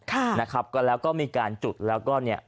ค่ะนะครับก็แล้วก็มีการจุดแล้วก็เนี่ย